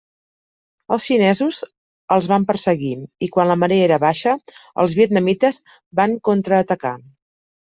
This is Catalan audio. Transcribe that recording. Els xinesos els van perseguir, i quan la marea era baixa, els vietnamites van contraatacar.